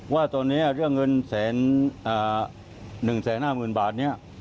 ว่าตอนนี้เรื่องเงิน๑๕๐๐๐บาทนี้